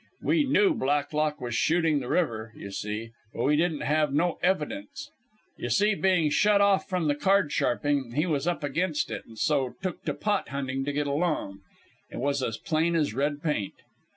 We knew Blacklock was shooting the river, y' see, but we didn't have no evidence. Y' see, being shut off from card sharping, he was up against it, and so took to pot hunting to get along. It was as plain as red paint.